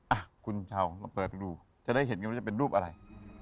อ่ะคุณชาวเราเปิดไปดูจะได้เห็นว่ามันจะเป็นรูปอะไร